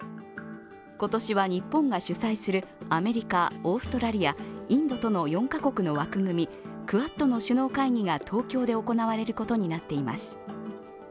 今年は日本が主催するアメリカ、オーストラリア、インドとの４カ国の枠組み、クアッドの首脳会談が東京で行われることになっています。